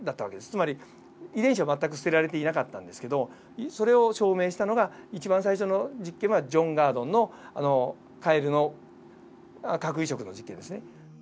つまり遺伝子は全く捨てられていなかったんですけどそれを証明したのが一番最初の実験はジョン・ガードンのカエルの核移植の実験ですね。